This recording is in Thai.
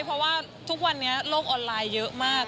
เพราะว่าทุกวันนี้โลกออนไลน์เยอะมาก